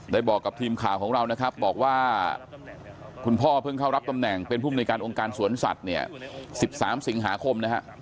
ได้บอกกับทีมข่าวของเรานะครับบอกว่าคุณพ่อเพิ่งเข้ารับตำแหน่งเป็นผู้อุงการสวนสัตว์๑๓สิงหาคมพึ่งได้รับการแต่งตั้ง